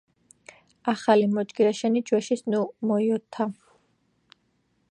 ახალი მოჯგირეშენი ჯვეშის ნუ მიოჸოთა